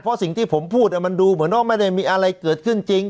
เพราะสิ่งที่ผมพูดมันดูเหมือนว่าไม่ได้มีอะไรเกิดขึ้นจริง